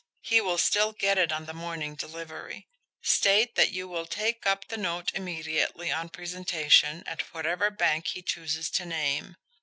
He will still get it on the morning delivery. State that you will take up the note immediately on presentation at whatever bank he chooses to name.